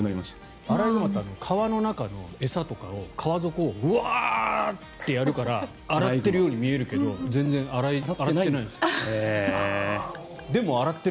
アライグマって川の中の餌とかを川底をうわーってやるから洗ってるように見えるけど全然洗ってないんですって。